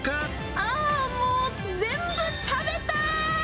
ああ、もう全部食べたーい！